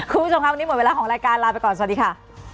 คุณผู้ชมครับวันนี้หมดเวลาของรายการลาไปก่อนสวัสดีค่ะ